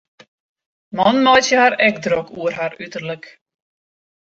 Mannen meitsje har ek drok oer har uterlik.